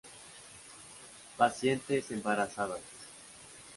Pacientes embarazadas.